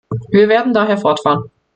Wir werden daher fortfahren.